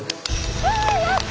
あやった！